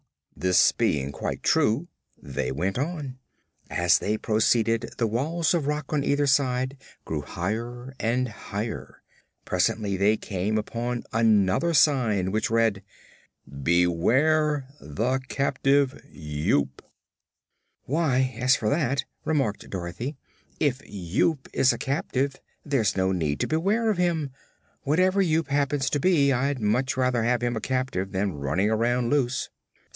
This being quite true, they went on. As they proceeded, the walls of rock on either side grew higher and higher. Presently they came upon another sign which read: "BEWARE THE CAPTIVE YOOP." "Why, as for that," remarked Dorothy, "if Yoop is a captive there's no need to beware of him. Whatever Yoop happens to be, I'd much rather have him a captive than running around loose."